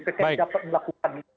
ppki dapat melakukan